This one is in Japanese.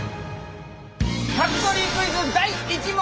ファクトリークイズ第１問！